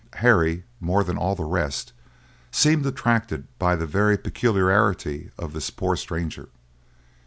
Harry, more than all the rest, seemed attracted by the very peculiarity of this poor stranger.